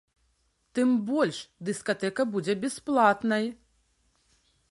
Тым больш, дыскатэка будзе бясплатнай.